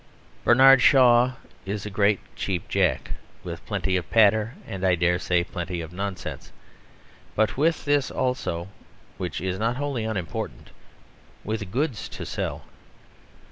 Bernard Shaw is a great cheap jack, with plenty of patter and I dare say plenty of nonsense, but with this also (which is not wholly unimportant), with goods to sell.